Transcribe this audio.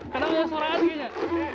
kenapa suara anginnya